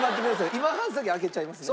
今半先開けちゃいますね。